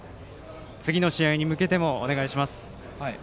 次の試合に向けてもお願いします。